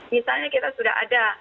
misalnya kita sudah ada